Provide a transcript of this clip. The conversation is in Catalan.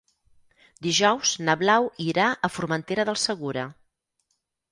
Dijous na Blau irà a Formentera del Segura.